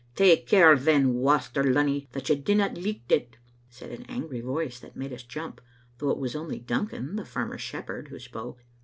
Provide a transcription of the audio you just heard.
" Take care then, Waster Lunny, that you dinna licht it," said an angry voice that made us jump, though it was only Duncan, the farmer's shepherd, who spoke.